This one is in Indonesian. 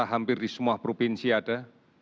hampir di semua provinsi ada